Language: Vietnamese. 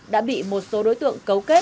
đã bị một số đối tượng cấu kết